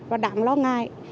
và đáng lo ngại